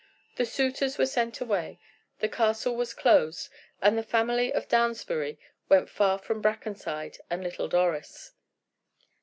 The suitors were sent sway, the castle was closed, and the family of Downsbury went far from Brackenside and little Doris.